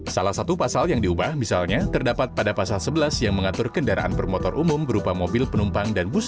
salah satu pasal yang diubah misalnya terdapat pada pasal sebelas yang mengatur kendaraan bermotor umum berupa mobil penumpang dan bus